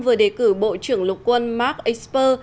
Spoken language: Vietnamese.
vừa đề cử bộ trưởng lục quân mark esper